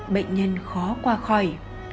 bệnh nhân khó qua khỏi